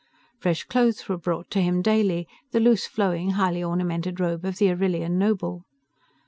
Fresh clothes were brought to him daily, the loose flowing, highly ornamented robe of the Arrillian noble.